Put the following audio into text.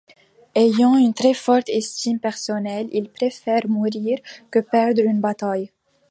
Ayant une très forte estime personnelle, il préfère mourir que perdre une bataille.